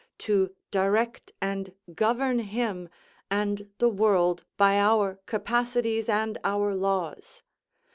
To direct and govern him and the world by our capacities and our laws?